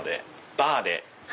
バーで。